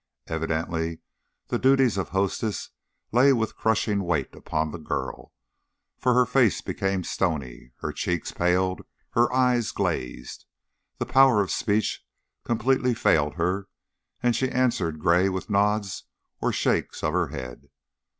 Evidently the duties of hostess lay with crushing weight upon the girl, for her face became stony, her cheeks paled, her eyes glazed; the power of speech completely failed her and she answered Gray with nods or shakes of her head.